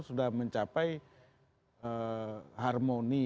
sudah mencapai harmoni